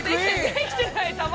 ◆できてない。